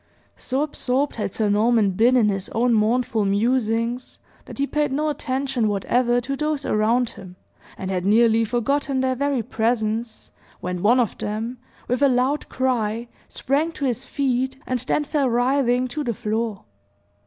So absorbed had Sir Norman been in his own mournful musings, that he paid no attention whatever to those around him, and had nearly forgotten their very presence, when one of them, with a loud cry, sprang to his feet, and then fell writhing to the floor.